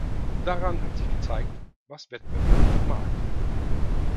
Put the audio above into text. Daran hat sich gezeigt, was Wettbewerb vermag.